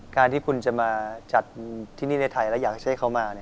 การที่คุณจะมาจัดที่นี่ในไทยแล้วอยากจะให้เขามา